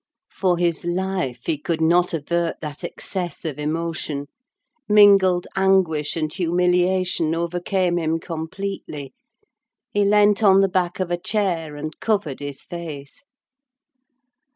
For his life he could not avert that excess of emotion: mingled anguish and humiliation overcame him completely. He leant on the back of a chair, and covered his face.